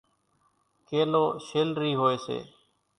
ڪيلو شيلرِي هوئيَ سي۔